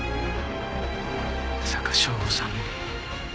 まさか省吾さんも。